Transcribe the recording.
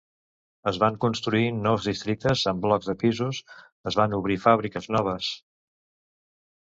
Es van construir nous districtes amb blocs de pisos, es van obrir fàbriques noves.